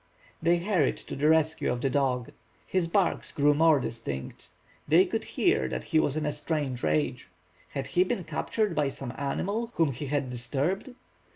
They hurried to the rescue of the dog. His barks grew more distinct. They could hear that he was in a strange rage. Had he been captured by some animal whom he had disturbed?